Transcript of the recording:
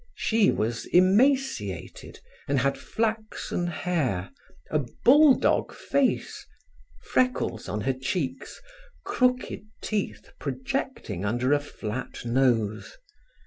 She was emaciated and had flaxen hair, a bulldog face, freckles on her cheeks, crooked teeth projecting under a flat nose.